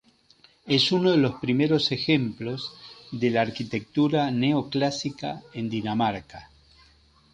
Es uno de los primeros ejemplos de la arquitectura neoclásica en Dinamarca.